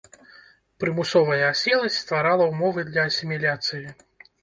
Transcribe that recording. Прымусовая аселасць стварала ўмовы для асіміляцыі.